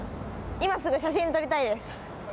今すぐ写真を撮りたいです。